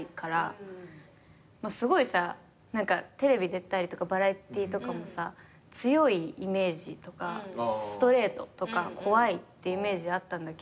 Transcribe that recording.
すごいさ何かテレビバラエティーとかもさ強いイメージとかストレートとか怖いってイメージあったんだけど。